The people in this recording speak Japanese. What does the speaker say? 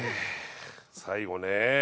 最後ね。